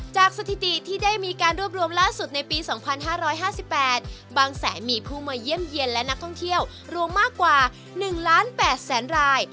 สถิติที่ได้มีการรวบรวมล่าสุดในปี๒๕๕๘บางแสนมีผู้มาเยี่ยมเยี่ยมและนักท่องเที่ยวรวมมากกว่า๑ล้าน๘แสนราย